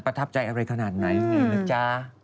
ทับใจอะไรขนาดไหนนี่นะจ๊ะ